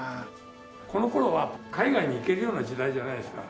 この頃は海外に行けるような時代じゃないですから。